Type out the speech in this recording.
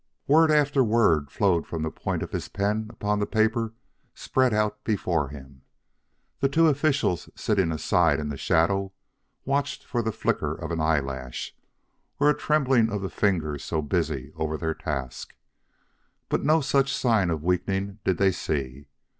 As word after word flowed from the point of his pen upon the paper spread out before him, the two officials sitting aside in the shadow watched for the flicker of an eyelash, or a trembling of the fingers so busy over their task. But no such sign of weakening did they see.